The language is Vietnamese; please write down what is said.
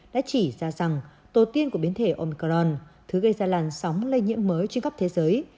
đã chỉ ra rằng tổ tiên của biến thể omcron thứ gây ra làn sóng lây nhiễm mới trên khắp thế giới